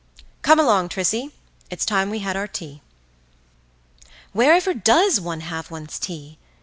"Come along, Trissie; it's time we had our tea.""Wherever does one have one's tea?"